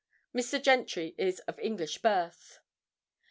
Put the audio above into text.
Mr. Gentry is of English birth.